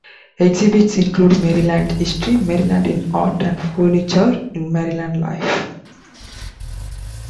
Exhibits include Maryland's history, Maryland in art and furniture in Maryland life.